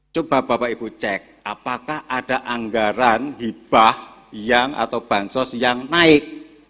coba bapak ibu cek apakah ada anggaran hibah atau bansos yang naik